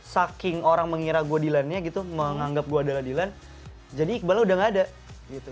saking orang mengira gue dilannya gitu menganggap gue adalah dilan jadi iqbalnya udah gak ada gitu